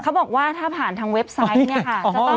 เขาบอกว่าถ้าผ่านทางเว็บไซต์เนี่ยค่ะ